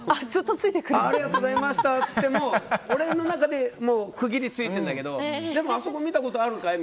ありがとうございましたって言っても俺の中でもう区切りがついているんだけどでもあそこ見たことあるのかい？